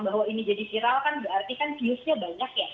bahwa ini jadi viral kan berarti kan kiusnya banyak ya